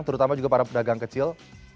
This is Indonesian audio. terutama juga para pedagang kecil